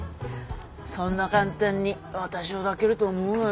そんな簡単に私を抱けると思うなよ。